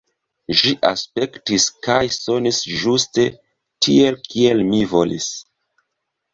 Ĝi aspektis kaj sonis ĝuste tiel, kiel mi volis.